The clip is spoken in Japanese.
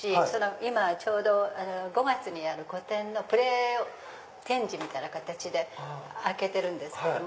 今ちょうど５月にやる個展のプレ展示みたいな形で開けてるんですけども。